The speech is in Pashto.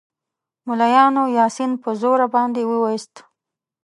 ملایانو یاسین په زوره باندې ووایاست.